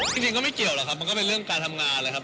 จริงก็ไม่เกี่ยวหรอกครับมันก็เป็นเรื่องการทำงานเลยครับ